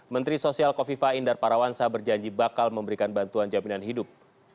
menteri sosial kofifa indar parawansa berjanji bakal memberikan bantuan jaminan hidup